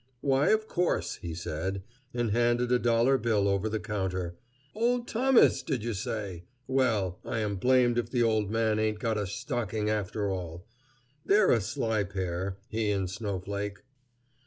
"Why, of course," he said, and handed a dollar bill over the counter. "Old Thomas, did you say? Well, I am blamed if the old man ain't got a stocking after all. They're a sly pair, he and Snowflake."